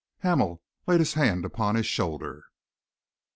Hamel laid his hand upon his shoulder.